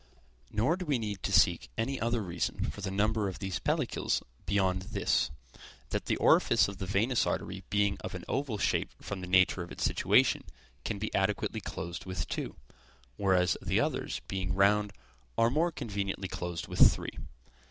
Nor do we need to seek any other reason for the number of these pellicles beyond this that the orifice of the venous artery being of an oval shape from the nature of its situation, can be adequately closed with two, whereas the others being round are more conveniently closed with three.